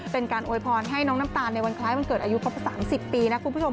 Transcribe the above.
เป็นการอวยพรให้น้องน้ำตาลในวันคล้ายวันเกิดอายุครบ๓๐ปีนะคุณผู้ชม